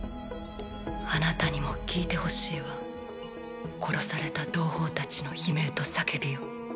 あなたにも聞いてほしいわ殺された同胞たちの悲鳴と叫びを。